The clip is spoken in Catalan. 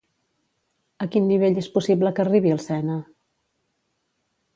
A quin nivell és possible que arribi el Sena?